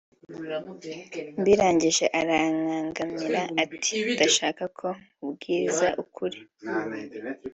Mbirangije arankankamira ati ‘Ndashaka ko kumbwiza ukuri